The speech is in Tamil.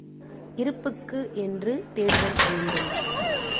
இருப்புக்கு என்று தேடுதல் வேண்டும்.